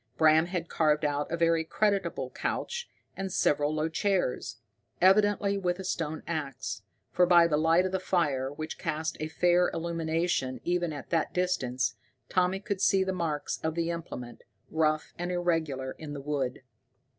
Bram had carved out a very creditable couch, and several low chairs, evidently with a stone ax, for by the light of the fire, which cast a fair illumination even at that distance, Tommy could see the marks of the implement, rough and irregular, in the wood.